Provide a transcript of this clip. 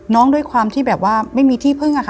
น้องด้วยความที่แบบว่าไม่มีที่พึ่ง